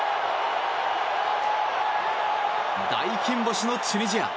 大金星のチュニジア。